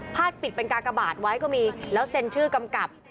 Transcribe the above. ปิดเป็นกากบาทไว้ก็มีแล้วเซ็นชื่อกำกับ